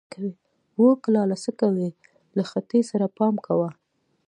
و کلاله څه کوې، له خټې سره پام کوه!